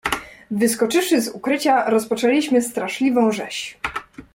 "„Wyskoczywszy z ukrycia, rozpoczęliśmy straszliwą rzeź."